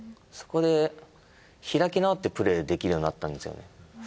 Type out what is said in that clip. そこで開き直ってプレーできるようになったんですよね。